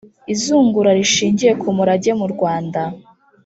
izungura rishingiye ku murage mu rwanda